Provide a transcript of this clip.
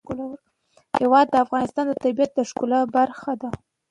هوا د افغانستان د طبیعت د ښکلا برخه ده.